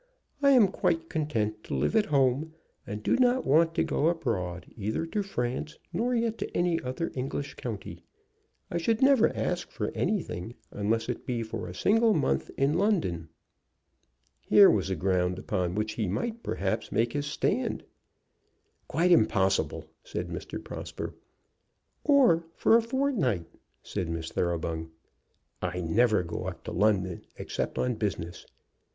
"I am quite content to live at home and do not want to go abroad, either to France nor yet to any other English county. I should never ask for anything, unless it be for a single month in London." Here was a ground upon which he perhaps could make his stand. "Quite impossible!" said Mr. Prosper. "Or for a fortnight," said Miss Thoroughbung. "I never go up to London except on business."